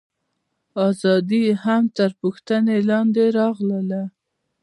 ازادي یې هم تر پوښتنې لاندې راغله.